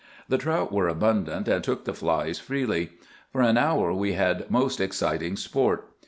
The trout were abundant, and took the flies freely. For an hour we had most exciting sport.